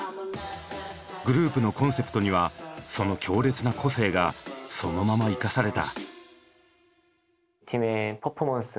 グループのコンセプトにはその強烈な個性がそのまま生かされた。